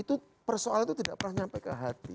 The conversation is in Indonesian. itu persoalannya tidak pernah sampai ke hati